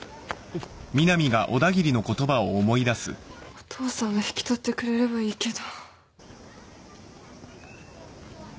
お父さんが引き取ってくれればいいけど